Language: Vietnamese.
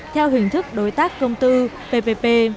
theo hình thức đối tác công tư ppp